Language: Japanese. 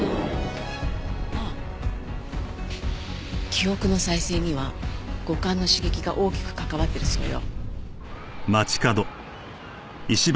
あっ記憶の再生には五感の刺激が大きく関わってるそうよ。